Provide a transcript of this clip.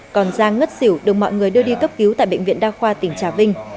còn giang ngất xỉu được mọi người đưa đi cấp cứu tại bệnh viện đa khoa tỉnh trà vinh